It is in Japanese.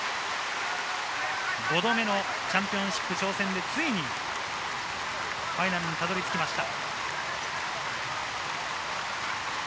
５度目のチャンピオンシップ挑戦でついにファイナルにたどり着きました。